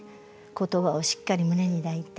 言葉をしっかり胸に抱いて。